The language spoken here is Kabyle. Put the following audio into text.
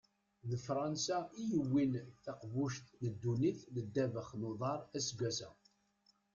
D Fransa i yewwin taqbuct n ddunit n ddabex n uḍar aseggas-a.